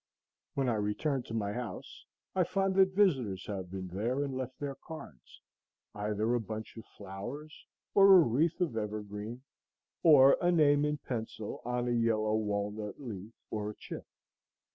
When I return to my house I find that visitors have been there and left their cards, either a bunch of flowers, or a wreath of evergreen, or a name in pencil on a yellow walnut leaf or a chip.